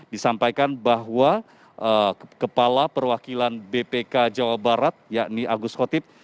disampaikan bahwa kepala perwakilan bpk jawa barat yakni agus khotib